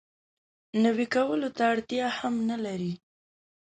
نوي کولو ته اړتیا هم نه لري.